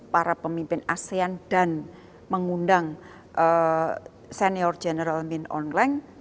para pemimpin asean dan mengundang senior general min aung hlaing